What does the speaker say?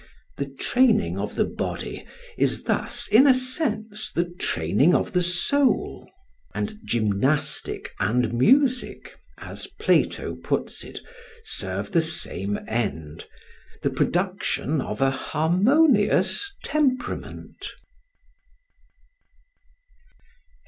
The training of the body is thus, in a sense, the training of the soul, and gymnastic and music, as Plato puts it, serve the same end, the production of a harmonious temperament.